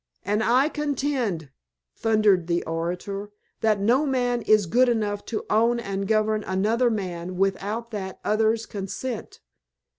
"And I contend," thundered the orator, "that no man is good enough to own and govern another man without that other's consent.